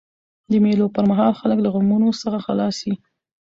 د مېلو پر مهال خلک له غمونو څخه خلاص يي.